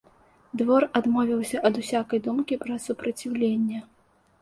Двор адмовіўся ад усякай думкі пра супраціўленне.